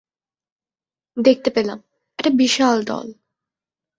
দেখতে পেলাম, একটি বিশাল দল।